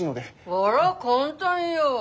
あら簡単よ。